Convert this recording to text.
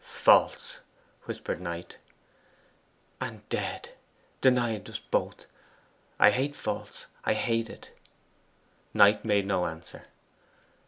'False,' whispered Knight. 'And dead. Denied us both. I hate "false" I hate it!' Knight made no answer.